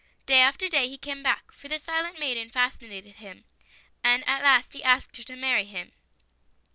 Day after day he came back, for the silent maiden fascinated him, and at last he asked her to marry him.